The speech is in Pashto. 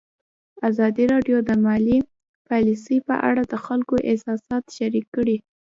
ازادي راډیو د مالي پالیسي په اړه د خلکو احساسات شریک کړي.